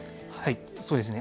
そうですね。